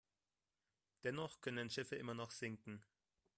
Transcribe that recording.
Dennoch können Schiffe immer noch sinken.